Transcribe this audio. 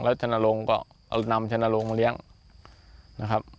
แล้วชนโรงก็นำชนโรงมาเลี้ยงนะครับ